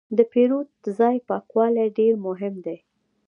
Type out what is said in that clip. د پیرود ځای پاکوالی ډېر مهم دی.